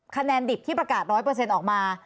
คะแนนดิบที่ประกาศ๑๐๐เปอร์เซ็นต์ออกมา